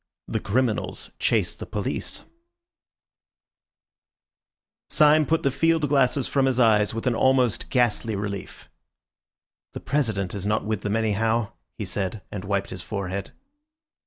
THE CRIMINALS CHASE THE POLICE Syme put the field glasses from his eyes with an almost ghastly relief. "The President is not with them, anyhow," he said, and wiped his forehead.